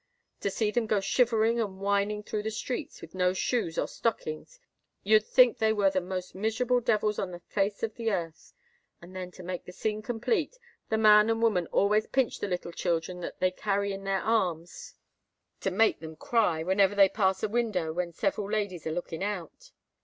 To see them go shivering and whining through the streets, with no shoes or stockings, you'd think they were the most miserable devils on the face of the earth; and then, to make the scene complete, the man and woman always pinch the little children that they carry in their arms, to make them cry, whenever they pass a window when several ladies are looking out."